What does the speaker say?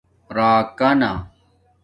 راکا نا